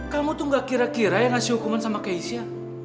kamu tuh gak kira kira yang ngasih hukuman sama keisha